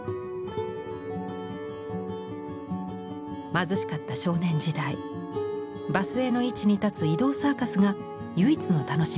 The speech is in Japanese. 貧しかった少年時代場末の市に立つ移動サーカスが唯一の楽しみでした。